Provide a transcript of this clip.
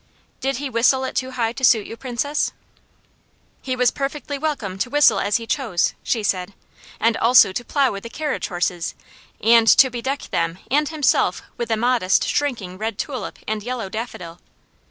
"Did he whistle it too high to suit you, Princess?" "He was perfectly welcome to whistle as he chose," she said, "and also to plow with the carriage horses, and to bedeck them and himself with the modest, shrinking red tulip and yellow daffodil."